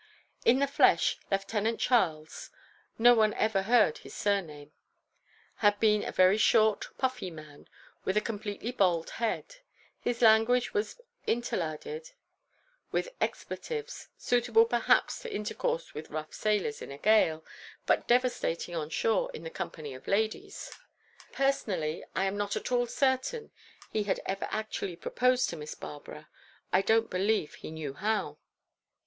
In the flesh, Lieutenant Charles—no one had ever heard his surname—had been a very short, puffy man, with a completely bald head. His language was interlarded with expletives, suitable, perhaps, to intercourse with rough sailors in a gale, but devastating on shore in the company of ladies. Personally, I am not at all certain he had ever actually proposed to Miss Barbara. I don't believe he knew how.